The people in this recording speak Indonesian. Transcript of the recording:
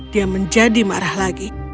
dia menjadi marah lagi